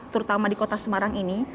terutama di kota semarang ini